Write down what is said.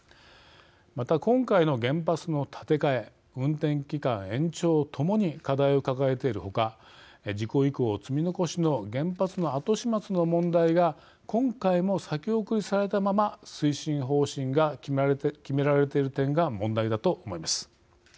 また今回の原発の建て替え運転期間延長ともに課題を抱えている他事故以降、積み残しの原発の後始末の問題が今回も先送りされたまま推進方針が決められている点が問題だと思います。